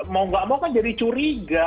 mau gak mau kan jadi curiga